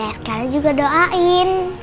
ada skl juga doain